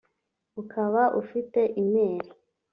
ukaba ufite email